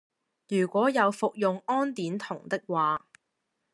如果有服用胺碘酮的話